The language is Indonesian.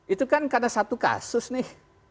itu kan karena satu kasus nih